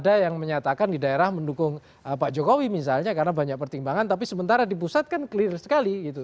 ada yang menyatakan di daerah mendukung pak jokowi misalnya karena banyak pertimbangan tapi sementara di pusat kan clear sekali gitu